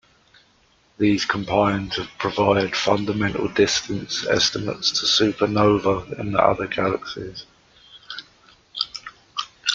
These combine to provide fundamental distance estimates to supernovae in other galaxies.